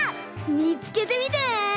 みつけてみてね！